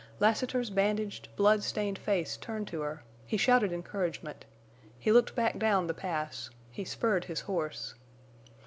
Lassiter's bandaged, blood stained face turned to her; he shouted encouragement; he looked back down the Pass; he spurred his horse.